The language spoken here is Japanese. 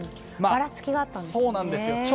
ばらつきがあったんですね。